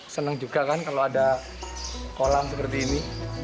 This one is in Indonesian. senang juga kan kalau ada kolam seperti ini